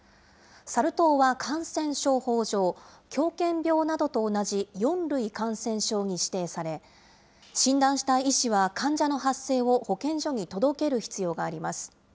サル痘は、感染症法上、狂犬病などと同じ４類感染症に指定され、診断した医師は患者の発生を保健所に届ける必要があります。